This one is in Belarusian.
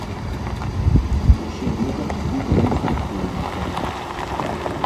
Усе ведамствы да іх рыхтуюцца.